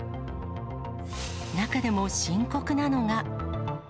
中でも深刻なのが。